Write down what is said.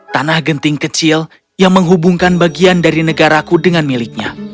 tanah genting kecil yang menghubungkan bagian dari negaraku dengan miliknya